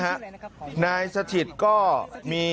ตัวเราสบายดีนะครับคุณพี่